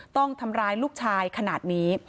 ต้องทำร้ายลูกชายขนาดนี้